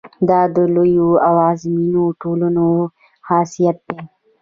دا د لویو او عظیمو ټولنو خاصیت دی.